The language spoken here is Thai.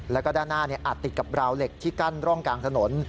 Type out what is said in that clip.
แล้วก็ด้านหน้าอัดติดกับราวเหล็กที่กั้นร่องกลางถนน